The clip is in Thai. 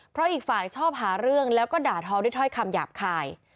เพราะอีกฝ่ายชอบหาเรื่องแล้วก็ด่าทอด้วยถ้อยคำหยาบคาย